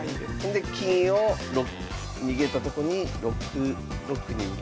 で金を逃げたとこに６六に打つ。